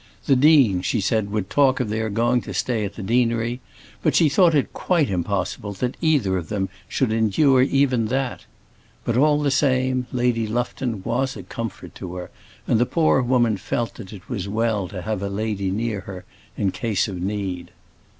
The dean, she said, would talk of their going to stay at the deanery; but she thought it quite impossible that either of them should endure even that. But, all the same, Lady Lufton was a comfort to her; and the poor woman felt that it was well to have a lady near her in case of need.